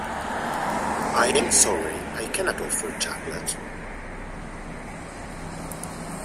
I am sorry I cannot offer chocolate.